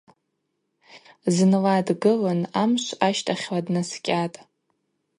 Зынла дгылын амшв ащтахьла днаскӏьатӏ.